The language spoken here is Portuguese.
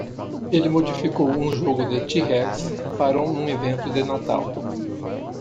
Ele modificou um jogo de t-rex para um evento de Natal.